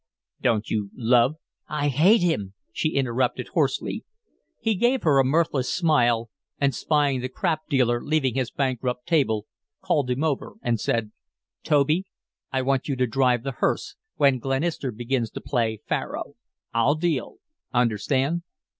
"Don't you love " "I HATE him," she interrupted, hoarsely. He gave her a mirthless smile, and spying the crap dealer leaving his bankrupt table, called him over and said: "Toby, I want you to 'drive the hearse' when Glenister begins to play faro. I'll deal. Understand?"